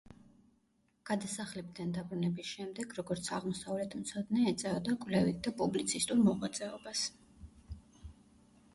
გადასახლებიდან დაბრუნების შემდეგ, როგორც აღმოსავლეთმცოდნე, ეწეოდა კვლევით და პუბლიცისტურ მოღვაწეობას.